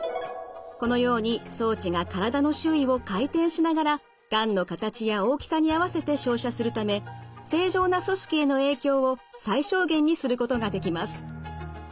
このように装置が体の周囲を回転しながらがんの形や大きさに合わせて照射するため正常な組織への影響を最小限にすることができます。